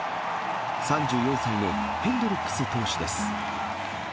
３４歳のヘンドリックス投手です。